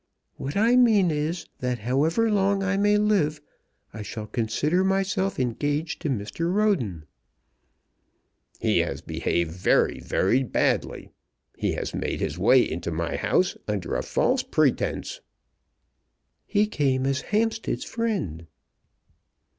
"What I mean is, that however long I may live I shall consider myself engaged to Mr. Roden." "He has behaved very, very badly. He has made his way into my house under a false pretence." "He came as Hampstead's friend."